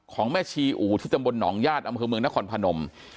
แม่ชีอู่ที่ตำบลหนองญาติอำเภอเมืองนครพนม